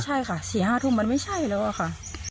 ใช่ค่ะสี่ห้าทุ่มมันไม่ใช่เลยว่าค่ะ